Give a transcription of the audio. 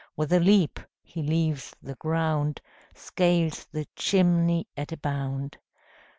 With a leap he leaves the ground, Scales the chimney at a bound.